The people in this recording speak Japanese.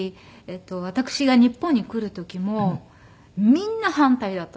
私が日本に来る時もみんな反対だったんです。